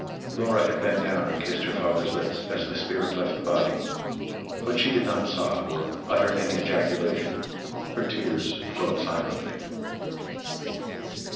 Laura had bent down and kissed her father's lips as the spirit left the body; but she did not sob, or utter any ejaculation; her tears flowed silently.